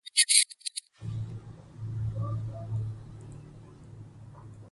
هغه د اسرائیلو سره لیدنې کړي دي.